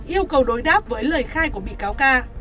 yêu cầu đối đáp với lời khai của bị cáo ca